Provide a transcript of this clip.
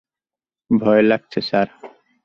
ভয় লাগছে, স্যার।